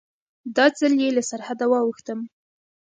دا ځل چې له سرحده واوښتم.